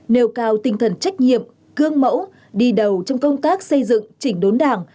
nêu cao tinh thần trách nhiệm cương mẫu đi đầu trong công tác xây dựng chỉnh đốn đảng